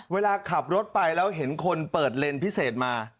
เวลาขับรถไปแล้วเห็นคนเปิดเลนส์พิเศษมา